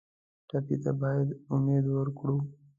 ټپي ته باید امید ورکړو.